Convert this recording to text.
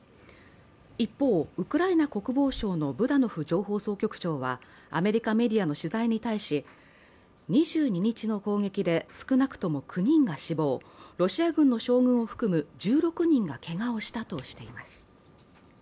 一方、ウクライナ国防省のブダノフ情報総局長は、アメリカメディアの取材に対し、２２日の攻撃で少なくとも９人が死亡、ロシア軍の将軍を含む１６人がけがをしたとしています。